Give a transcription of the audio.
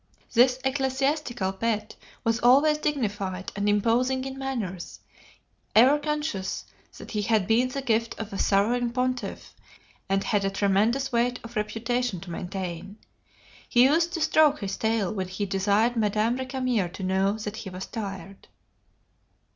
'" This ecclesiastical pet was always dignified and imposing in manners, ever conscious that he had been the gift of a sovereign pontiff, and had a tremendous weight of reputation to maintain. He used to stroke his tail when he desired Madame Recamier to know that he was tired.